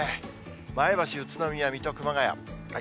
前橋、宇都宮、水戸、熊谷。